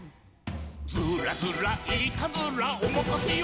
「ずーらずらいーたずら」「おまかせよ」